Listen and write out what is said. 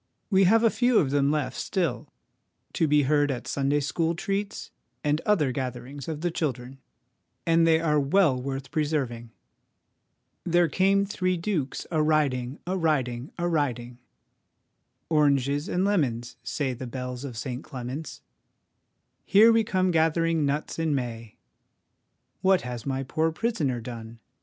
We have a few of them left still to be heard at Sunday school treats and other gatherings of the children, and they are well worth preserving 'There came three dukes a riding, a riding, a riding' ' Oranges and lemons, say the bells of St Clement's '' Here we come gathering nuts in May ';* What has my poor prisoner done